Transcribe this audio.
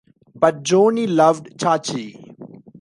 But Joanie loved Chachi!